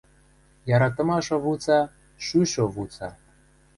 Яратымаш овуца — шӱшӹ овуца.